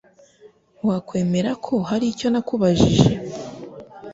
Wakwemera ko hari icyo nakubajije?